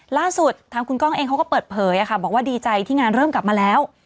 ล่าสุดทางคุณก้องเองเขาก็เปิดเผยบอกว่าดีใจที่งานเริ่มกลับมาแล้ว